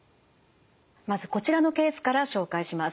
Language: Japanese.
まずこちらのケースから紹介します。